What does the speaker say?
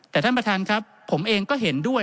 แต่ท่านประธานครับผมเองก็เห็นด้วย